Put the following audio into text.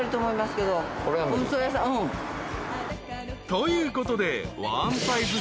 ［ということでワンサイズ